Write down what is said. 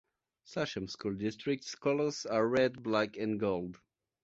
Sachem School District's colors are red, black and gold.